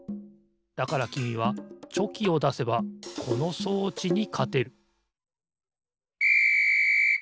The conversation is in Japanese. だからきみはチョキをだせばこの装置にかてるピッ！